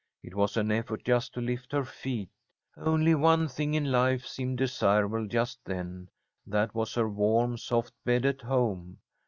It was an effort just to lift her feet. Only one thing in life seemed desirable just then, that was her warm soft bed at home.